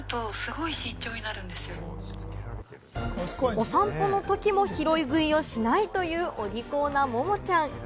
お散歩のときも拾い食いをしないというお利口なモモちゃん。